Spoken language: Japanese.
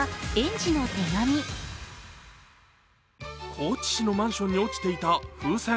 高知市のマンションに落ちていた風船。